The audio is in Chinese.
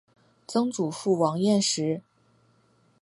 曾祖父王彦实。